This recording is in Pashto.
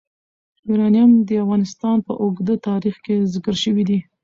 یورانیم د افغانستان په اوږده تاریخ کې ذکر شوی دی.